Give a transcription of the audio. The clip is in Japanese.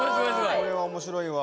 これは面白いわ。